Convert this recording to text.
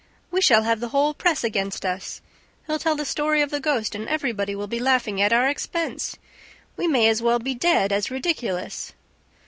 "We shall have the whole press against us! He'll tell the story of the ghost; and everybody will be laughing at our expense! We may as well be dead as ridiculous!"